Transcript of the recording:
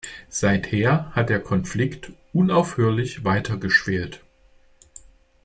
Seither hat der Konflikt unaufhörlich weitergeschwelt.